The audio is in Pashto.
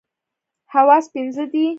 حواس پنځه دي.